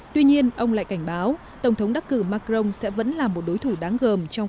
tuy nhiên ông lại cảnh báo tổng thống đắc cử macron sẽ vẫn là một đối thủ đáng gồm